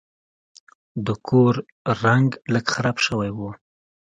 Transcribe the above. د کور رنګ لږ خراب شوی و.